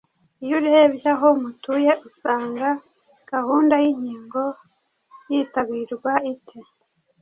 Iyo urebye aho mutuye usanga gahunda y’inkingo yitabirwa ite?